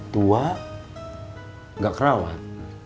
tua gak keralah